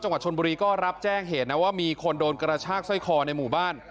จังหวัดชนบุรีก็รับแจ้งเหตุนะว่ามีคนโดนกระชากสร้อยคอในหมู่บ้าน